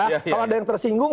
kalau ada yang tersinggung